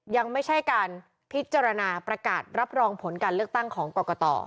ยังไม่ใช่การพิจารณาประกาศรับรองผลการเลือกตั้งของกรกต